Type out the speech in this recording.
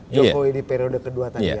jokowi di periode kedua tadi